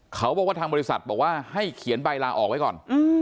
เขาบอกว่าทางบริษัทบอกว่าให้เขียนใบลาออกไว้ก่อน